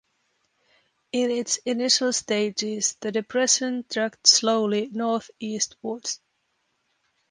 In its initial stages, the depression tracked slowly northeastwards.